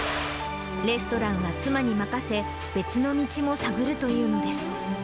レストランは妻に任せ、別の道も探るというのです。